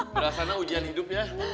berasanya ujian hidup ya